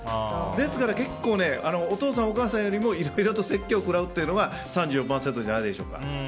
ですからお父さん、お母さんよりもいろいろと説教を食らうというのは３４％じゃないでしょうか。